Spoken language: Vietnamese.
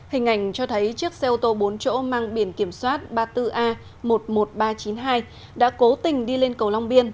hình ảnh cho thấy chiếc xe ô tô bốn chỗ mang biển kiểm soát ba mươi bốn a một mươi một nghìn ba trăm chín mươi hai đã cố tình đi lên cầu long biên